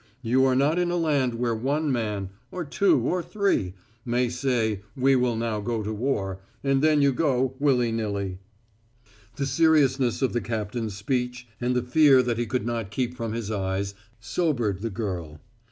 You are not in a land where one man or two or three may say, 'We will now go to war,' and then you go, willy nilly." The seriousness of the captain's speech and the fear that he could not keep from his eyes sobered the girl.